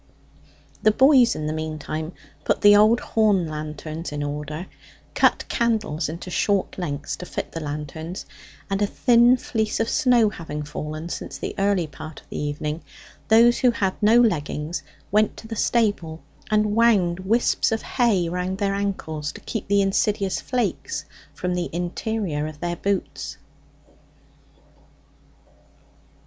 The boys in the meantime put the old horn lanterns in order, cut candles into short lengths to fit the lanterns; and, a thin fleece of snow having fallen since the early part of the evening, those who had no leggings went to the stable and wound wisps of hay round their ankles to keep the insidious flakes from the interior of their boots.